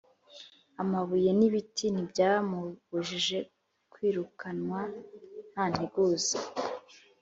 Amabuye n'ibiti ntibyamubujije kwirukanwa ntanteguza.